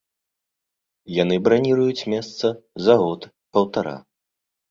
Яны браніруюць месца за год-паўтара.